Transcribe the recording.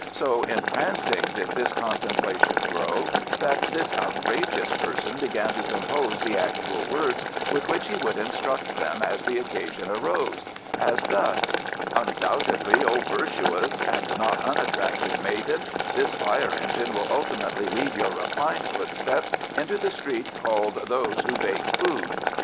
So entrancing did this contemplation grow, that this outrageous person began to compose the actual words with which he would instruct them as the occasion arose, as thus, "Undoubtedly, O virtuous and not unattractive maiden, this fire engine will ultimately lead your refined footsteps into the street called Those who Bake Food.